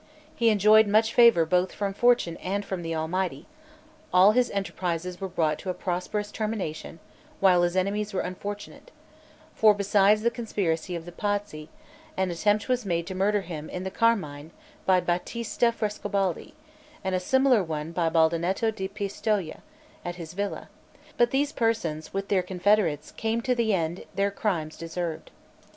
He enjoyed much favor both from fortune and from the Almighty; all his enterprises were brought to a prosperous termination, while his enemies were unfortunate; for, besides the conspiracy of the Pazzi, an attempt was made to murder him in the Carmine, by Batista Frescobaldi, and a similar one by Baldinetto da Pistoja, at his villa; but these persons, with their confederates, came to the end their crimes deserved.